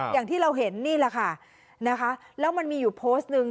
อย่างที่เราเห็นนี่แหละค่ะนะคะแล้วมันมีอยู่โพสต์นึง